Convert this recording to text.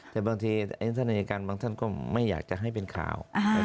แต่บางทีท่านอายการบางท่านก็ไม่อยากจะให้เป็นข่าว